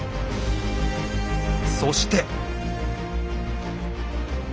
そして。